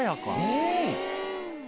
うん！